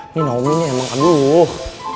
ini naomi nya emang aduh